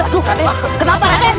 raden kenapa raden